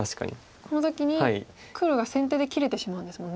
この時に黒が先手で切れてしまうんですもんね。